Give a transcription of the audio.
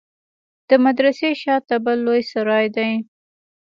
د مدرسې شا ته بل لوى سراى دى.